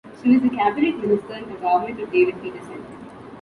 She was a cabinet minister in the government of David Peterson.